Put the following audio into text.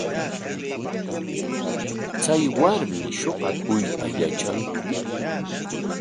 ¿Chay warmi shuqakuyta yatranku?